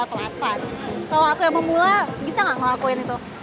kalau aku yang pemula bisa gak ngelakuin itu